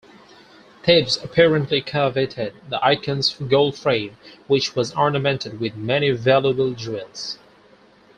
Thieves apparently coveted the icon's gold frame, which was ornamented with many valuable jewels.